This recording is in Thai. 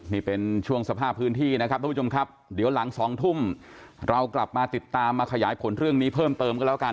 นี่เป็นช่วงสภาพพื้นที่นะครับทุกผู้ชมครับเดี๋ยวหลัง๒ทุ่มเรากลับมาติดตามมาขยายผลเรื่องนี้เพิ่มเติมกันแล้วกัน